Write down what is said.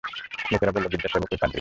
লোকেরা বলল, গীর্জার সেবক ঐ পাদ্রী।